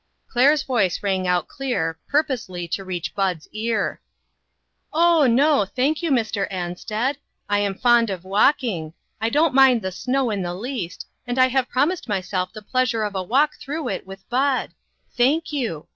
Claire's voice rang out clear, purposely to reach Bud's ear: " Oh, no, thank you, Mr. Ansted ! I am fond of walking ; I don't mind the snow in the least, and I have promised myself the pleasure of a walk through it with Bud. Thank you